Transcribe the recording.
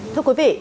thưa quý vị